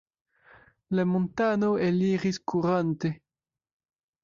La montano eliris kurante.